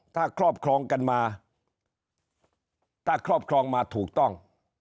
ถ้าครอบครองกันมาถูกต้อง